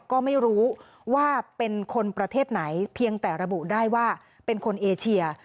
ก็ไม่รู้ว่าเป็นคนประเทศไหนเพียงแต่ระบุได้ว่าเป็นคนเอเชีย